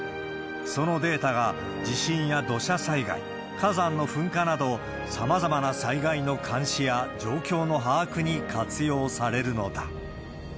そのデータが地震や土砂災害、火山の噴火など、さまざまな災害の監視や状況の把握に活用されるのだ。